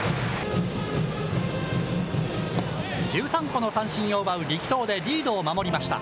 １３個の三振を奪う力投でリードを守りました。